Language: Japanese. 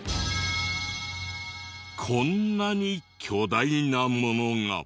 こんなに巨大なものが。